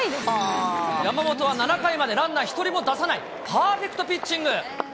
山本は７回までランナー１人も出さないパーフェクトピッチング。